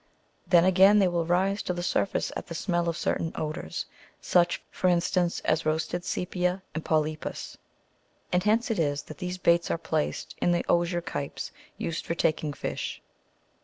Then, again, they will rise to the surface at the smell of certain odours, such, for instance as roasted scepia and polypus ; and hence it is that these baits are placed in the osier kipes used for taking fish.